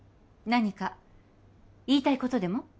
何か言いたいことでも？